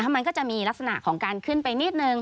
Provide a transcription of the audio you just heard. มันก็จะมีลักษณะของการขึ้นไปนิดนึง